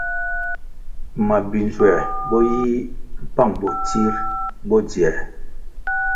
Mabi-nzuer bo yi mpang bo tsir bo dzier.